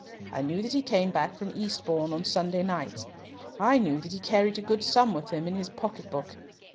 I knew that he came back from Eastbourne on Sunday nights. I knew that he carried a good sum with him in his pocket book.